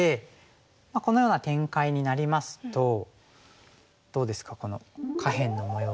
このような展開になりますとどうですかこの下辺の模様が。